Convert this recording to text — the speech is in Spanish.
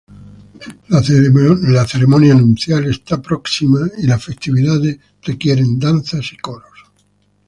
La ceremonia nupcial está próxima y las festividades requieren danzas y coros.